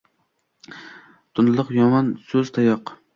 tundliq yomon so'z, tayoq...